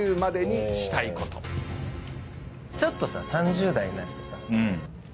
ちょっとさ３０代になるとさ。